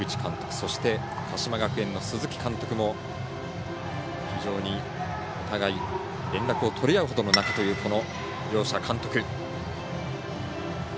そして、鹿島学園の鈴木監督も非常にお互い連絡を取り合うほどの仲というこの両者、監督。